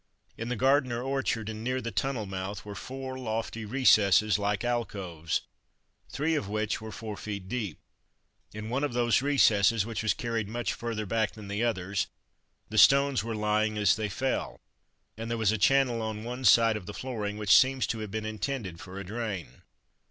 In the garden or orchard, and near the tunnel mouth, were four lofty recesses, like alcoves, three of which were four feet deep. In one of those recesses, which was carried much further back than the others, the stones were lying as they fell, and there was a channel on one side of the flooring which seemed to have been intended for a drain.